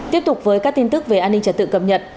tiếp tục với các tin tức về an ninh trật tự cập nhật